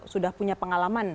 sudah punya pengalaman